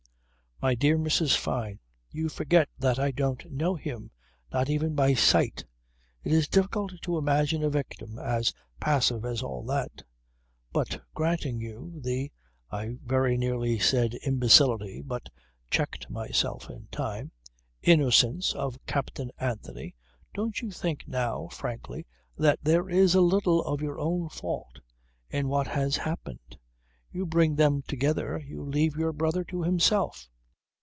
"My dear Mrs. Fyne, you forget that I don't know him not even by sight. It's difficult to imagine a victim as passive as all that; but granting you the (I very nearly said: imbecility, but checked myself in time) innocence of Captain Anthony, don't you think now, frankly, that there is a little of your own fault in what has happened. You bring them together, you leave your brother to himself!"